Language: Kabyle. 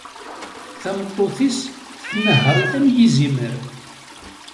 Tameṭṭut-is tnehheṛ-it am yizimer.